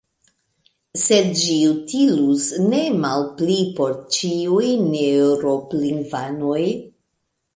Sed ĝi utilus ne malpli por ĉiuj neeŭrop-lingvanoj.